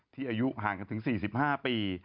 อายุห่างกันถึง๔๕ปี